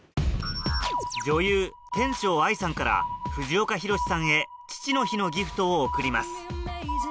女優天翔愛さんから藤岡弘、さんへ父の日のギフトを贈ります